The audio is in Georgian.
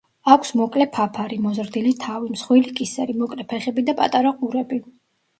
აქვს მოკლე ფაფარი, მოზრდილი თავი, მსხვილი კისერი, მოკლე ფეხები და პატარა ყურები.